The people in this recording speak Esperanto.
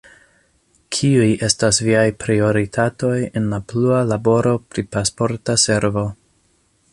Kiuj estas viaj prioritatoj en la plua laboro pri Pasporta Servo?